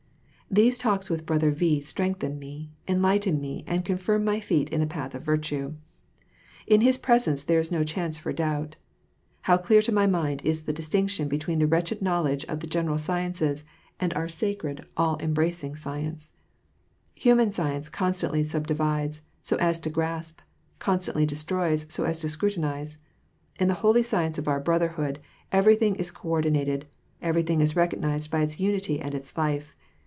These talks with Brother V strengUien me, enlighten me, and confirm my feet in the path of virtue. In his presence there is no chance for doubt. How clear to mv mind is the distinction between the wretched knowledge of the general sciences and onr sacred, all embracing science I Human science constantly sub divides, so as to grasp ; constantly destroys, so as to scrutinize. In the holy science of our Brotherhood, everything is co ordinated, everything is recognized by its unity and its life.